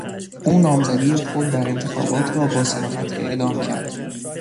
او نامزدی خود در انتخابات را با صراحت اعلام کرد.